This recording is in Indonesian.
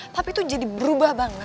papi tuh jadi berubah banget